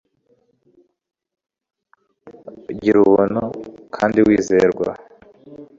gira ubuntu kandi wizerwa